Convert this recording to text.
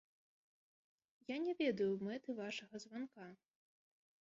Я не ведаю мэты вашага званка.